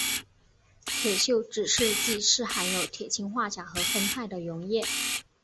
铁锈指示剂是含有铁氰化钾和酚酞的溶液。